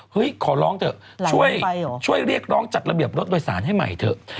ขอร้องเถอะช่วยเรียกร้องจัดระเบียบรถโดยสารให้ใหม่เถอะ